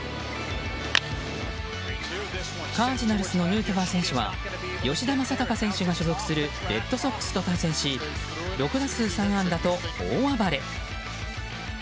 カージナルスのヌートバー選手は吉田正尚選手が所属するレッドソックスと対戦し６打数３安打と大暴れ。